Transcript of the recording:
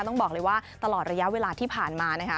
ต้องบอกเลยว่าตลอดระยะเวลาที่ผ่านมานะคะ